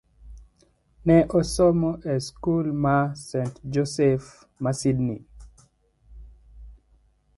He attended Sydney’s St Joseph’s College.